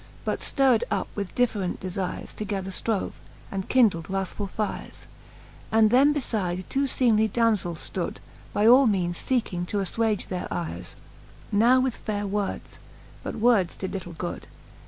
But ftirred up with different defires. Together ftrove, and kindled wrathfull fires : And them befide two feemely damzells ftood, By all meanes fecking to affwage their ires, Now with faire words ; but words did little good : (mood.